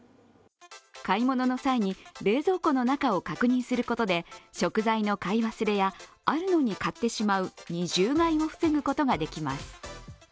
買い物の際に冷蔵庫の中を確認することで食材の買い忘れや、あるのに買ってしまう二重買いを防ぐことができます。